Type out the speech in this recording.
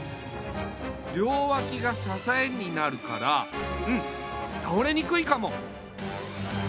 りょうわきがささえになるからうんたおれにくいかも。